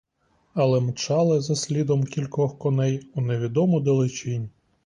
Але мчали за слідом кількох коней у невідому далечінь.